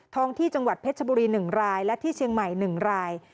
งที่จังหวัดเพชรบุรี๑รายและที่เชียงใหม่๑ราย